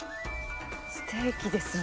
ステーキですね。